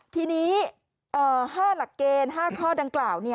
ทีนี้๕หลักเกณฑ์๕ข้อดังกล่าว